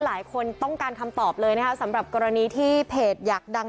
หลายคนต้องการคำตอบเลยนะคะสำหรับกรณีที่เพจอยากดัง